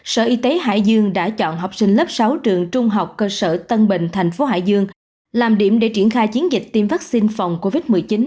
sở y tế hải dương đã chọn học sinh lớp sáu trường trung học cơ sở tân bình thành phố hải dương làm điểm để triển khai chiến dịch tiêm vaccine phòng covid một mươi chín